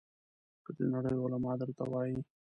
که د نړۍ علما درته وایي.